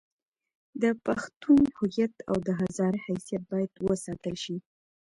د پښتون هویت او د هزاره حیثیت باید وساتل شي.